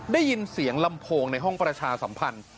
ได้ยินเสียงลำโพงในห้องประชาสัมพันธ์